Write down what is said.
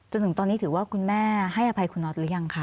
จนถึงตอนนี้คุณแม่ใช้อภัยคุณหรือยังคะ